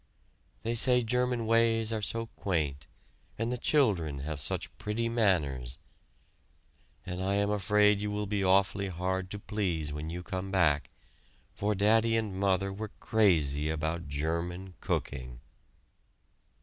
They say the German ways are so quaint and the children have such pretty manners, and I am afraid you will be awfully hard to please when you come back, for Daddy and Mother were crazy about German cooking."